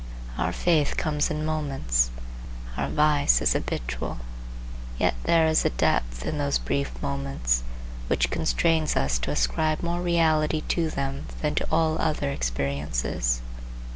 Our faith comes in moments; our vice is habitual. Yet there is a depth in those brief moments which constrains us to ascribe more reality to them than to all other experiences.